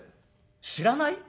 知らない？